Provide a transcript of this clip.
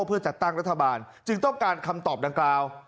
เพื่อจัดตั้งรัฐบาลจึงต้องการคำตอบดังกล่าว